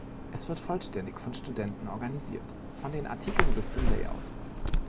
Es wird vollständig von Studenten organisiert, von den Artikeln bis zum Layout.